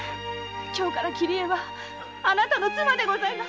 今日から桐江はあなたの妻でございます！